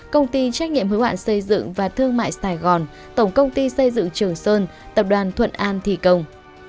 công ty trách nhiệm hứa hoạn xây dựng và thương mại sài gòn tổng công ty xây dựng trường sơn tập đoàn thuận an thì công